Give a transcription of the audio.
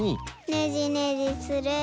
ねじねじすれば。